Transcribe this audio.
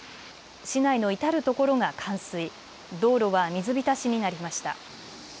市内の至る所が冠水道路は水浸しになりました。